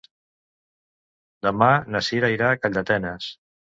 Demà na Cira irà a Calldetenes.